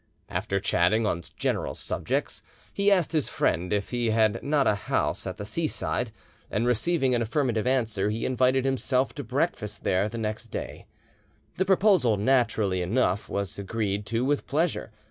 After chatting on general subjects, he asked his friend if he had not a house at the seaside, and receiving an affirmative answer, he invited himself to breakfast there the next day; the proposal naturally enough was agreed to with pleasure.